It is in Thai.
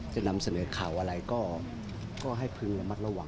จะนำเสนอข่าวอะไรก็ให้พึงระมัดระวัง